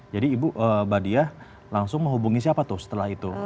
jadi ibu mbak dia langsung menghubungin siapa tuh setelah itu